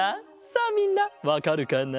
さあみんなわかるかな？